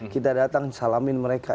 kita datang salamin mereka